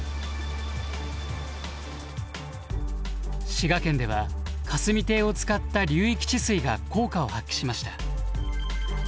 滋賀県では霞堤を使った流域治水が効果を発揮しました。